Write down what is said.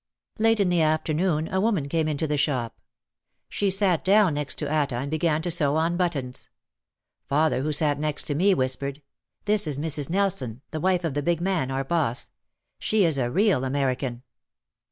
Late in the afternoon a woman came into the shop. She sat down next to Atta and began to sew on buttons. Father, who sat next to me, whispered, "This is Mrs. Nelson, the wife of the big man, our boss. She is a real American."